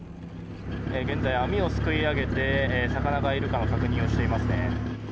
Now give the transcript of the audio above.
現在、網をすくい上げて魚がいるかの確認をしています。